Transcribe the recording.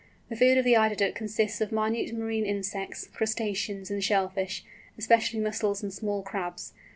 The food of the Eider Duck consists of minute marine insects, crustaceans, and shellfish, especially mussels and small crabs.